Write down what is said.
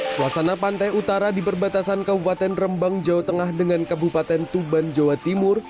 suasana pantai utara di perbatasan kabupaten rembang jawa tengah dengan kabupaten tuban jawa timur